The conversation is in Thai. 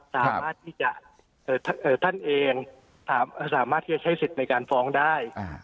สามารถที่จะท่านเองสามารถที่จะใช้สิทธิ์ในการฟ้องได้